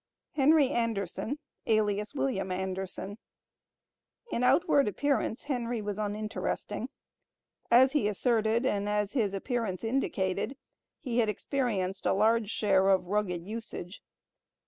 Henry Anderson, alias WILLIAM ANDERSON. In outward appearance Henry was uninteresting. As he asserted, and as his appearance indicated, he had experienced a large share of "rugged" usage.